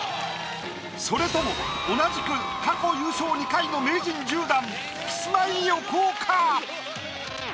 それとも同じく過去優勝２回の名人１０段キスマイ・横尾か？